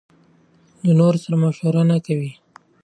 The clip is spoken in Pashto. له نورو سره مشوره نکوي.